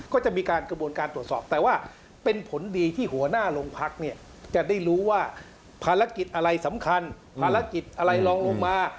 ก็จะมีการกระบวนการตรวจสอบแต่ว่าเป็นผลดีที่หัวหน้าโรงพักเนี่ยจะได้รู้ว่าภารกิจอะไรสำคัญภารกิจอะไรลองลงมา